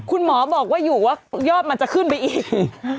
คุณหมอบอกว่าอยู่ว่ายอดมันจะขึ้นไปอีก